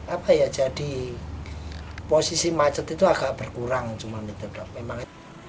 apa ya jadi posisi macet itu agak berkurang